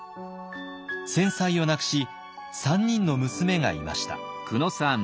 先妻を亡くし３人の娘がいました。